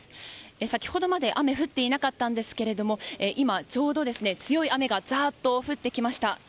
先ほどまで雨は降っていなかったんですが今、ちょうど強い雨がザーッと降ってきました。